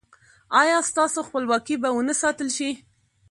ایا ستاسو خپلواکي به و نه ساتل شي؟